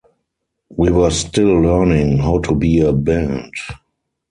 We were still learning how to be a band.